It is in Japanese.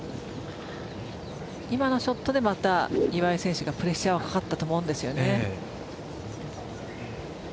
今のショットでまた岩井選手がプレッシャーかかったと思うんです。